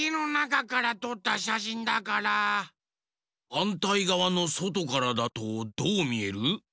はんたいがわのそとからだとどうみえる？